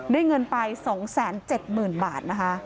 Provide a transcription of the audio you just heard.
ได้เงินไป๒๗๐๐๐๐บาทนะคะ